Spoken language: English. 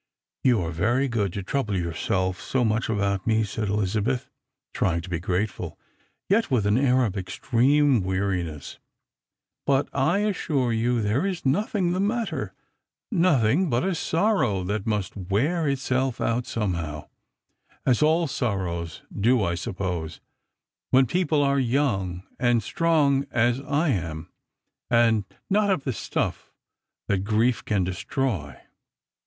" You are very good to trouble yourself so much about me," said Ehzabeth, trying to be grati^ful, yet with an air of extreme weari ness; " but I assure you there is nothing the matter — nothing but a sorrow that must wear itself out somehow — as all sorrows do, I euppose, when people are young and strong as I am, and Strangers and Pilgrims, 225 not of the stuff that grief can destroy.